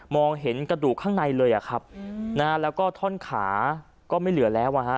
เห็นกระดูกข้างในเลยอะครับนะฮะแล้วก็ท่อนขาก็ไม่เหลือแล้วอ่ะฮะ